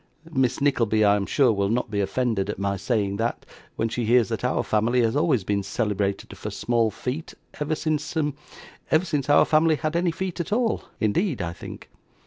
Miss Nickleby, I am sure, will not be offended at my saying that, when she hears that our family always have been celebrated for small feet ever since hem ever since our family had any feet at all, indeed, I think.